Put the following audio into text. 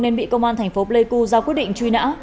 nên bị công an thành phố pleiku ra quyết định truy nã